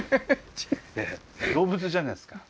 動物じゃないですか。